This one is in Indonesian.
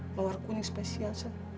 luar kuning spesial sas